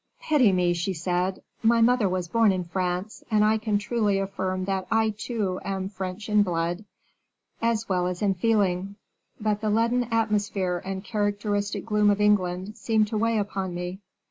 "Pity me," she said. "My mother was born in France, and I can truly affirm that I, too, am French in blood, as well as in feeling; but the leaden atmosphere and characteristic gloom of England seem to weigh upon me.